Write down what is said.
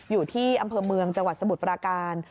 อยู่ที่อำเภอเมืองจังหวัดสมุทรปราการ